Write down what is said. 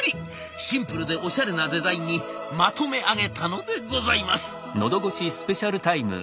シンプルでおしゃれなデザインにまとめ上げたのでございます。